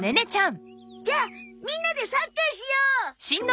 じゃあみんなでサッカーしよう！